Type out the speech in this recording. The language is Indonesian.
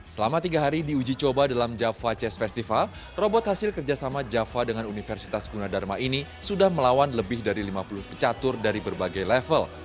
selama tiga hari diuji coba dalam java chest festival robot hasil kerjasama java dengan universitas gunadharma ini sudah melawan lebih dari lima puluh pecatur dari berbagai level